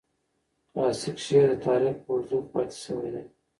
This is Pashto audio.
کلاسیک شعر د تاریخ په اوږدو کې پاتې شوی دی.